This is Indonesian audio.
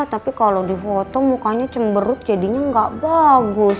tapi kalau di foto mukanya cemberut jadinya nggak bagus